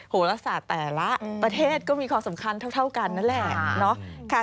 โหลศาสตร์แต่ละประเทศก็มีความสำคัญเท่ากันนั่นแหละ